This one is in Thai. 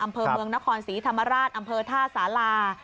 อำเภอเมืองนครศรีธรรมราชอำเภอท่าสารา